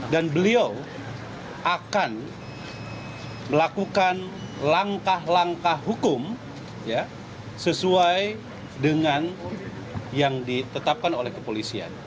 dan beliau akan melakukan langkah langkah hukum sesuai dengan yang ditetapkan oleh kepolisian